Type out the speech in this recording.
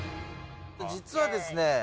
実はですね